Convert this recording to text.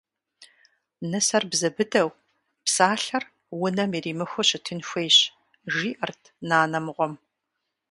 Нысэр бзэ быдэу, псалъэр унэм иримыхыу щытын хуейщ, – жиӀэрт нанэ мыгъуэм.